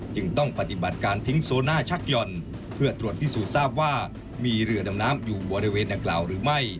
จึงต้องปฏิบัติการทิ้งโซน่าชักหย่อนเพื่อตรวจพิสูจน์ทราบว่ามีเรือดำน้ำอยู่บริเวณดังกล่าวหรือไม่